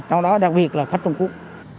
trong đó đặc biệt là khách trung quốc